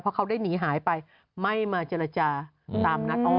เพราะเขาได้หนีหายไปไม่มาเจรจาตามนัดอ้อ